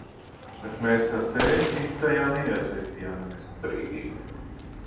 Bet mēs ar tēti tajā neiesaistāmies. Brīdī.